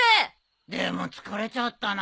でも疲れちゃったな。